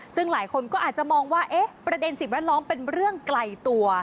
ซึ่งหลายคนก็อาจจะมองว่าประเด็นสิ่งแวดล้อมเป็นเรื่องไกลตัว